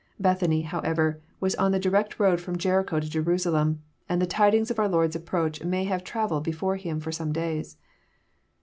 Bethany, however, was on the direct road ft'om Jericho to Jernsalem, and the tidings of our Lord's approach may have travelled before Him for some days.